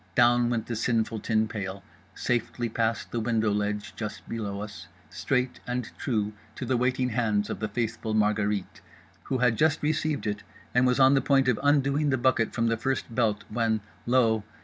Down went the sinful tin pail, safely past the window ledge just below us, straight and true to the waiting hands of the faithful Margherite—who had just received it and was on the point of undoing the bucket from the first belt when, lo!